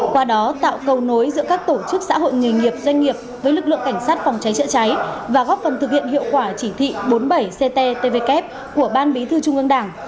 qua đó tạo cầu nối giữa các tổ chức xã hội nghề nghiệp doanh nghiệp với lực lượng cảnh sát phòng cháy chữa cháy và góp phần thực hiện hiệu quả chỉ thị bốn mươi bảy cttvk của ban bí thư trung ương đảng